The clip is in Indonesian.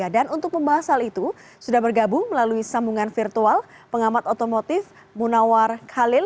dan untuk pembahasan itu sudah bergabung melalui sambungan virtual pengamat otomotif munawar khalil